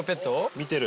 見てる。